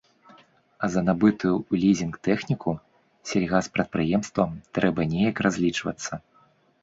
А за набытую ў лізінг тэхніку сельгаспрадпрыемствам трэба неяк разлічвацца.